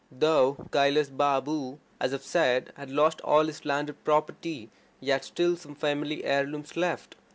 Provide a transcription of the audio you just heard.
Though Kailas Balm, as I have said, had lost all his landed property, he had still same family heirlooms left.